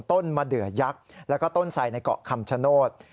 ต้นมะเดือยักษ์แล้วก็ต้นไสในเกาะคำชโนธ